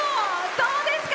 どうですか？